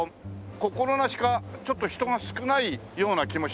心なしかちょっと人が少ないような気もします。